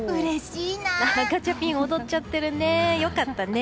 ガチャピン、踊っちゃってるね良かったね。